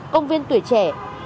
công viên tuổi trẻ